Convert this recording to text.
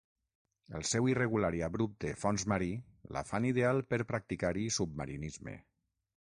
El seu irregular i abrupte fons marí la fan ideal per practicar-hi submarinisme.